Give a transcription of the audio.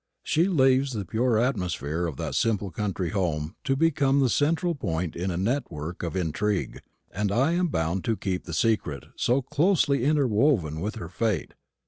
She leaves the pure atmosphere of that simple country home to become the central point in a network of intrigue; and I am bound to keep the secret so closely interwoven with her fate.